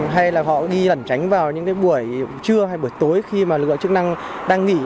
hay là họ đi lẩn tránh vào những cái buổi trưa hay buổi tối khi mà lực lượng chức năng đang nghỉ